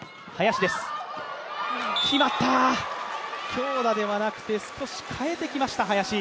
強打ではなくて少し変えてきました、林。